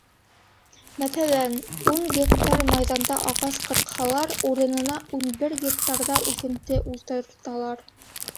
Мәҫәлән, ун гектар майҙанда ағас ҡырҡһалар, урынына ун бер гектарҙа үҫенте ултырталар.